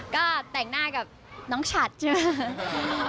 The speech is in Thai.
ก็แต่งหน้ากับน้องฉัดใช่ไหม